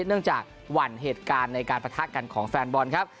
เนื่องจากหวั่นเหตุการณ์ในการประทะกันของแฟนบอลครับ